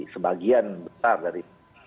sebagian besar dari